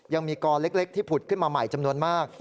ยังมีกอเล็กที่ผุดขึ้นมาใหม่จำนวนมาก